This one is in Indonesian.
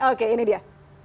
oke ini dia